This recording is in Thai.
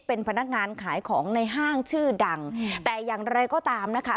เป็นพนักงานขายของในห้างชื่อดังแต่อย่างไรก็ตามนะคะ